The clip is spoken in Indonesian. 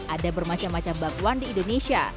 ada bermacam macam bakwan di indonesia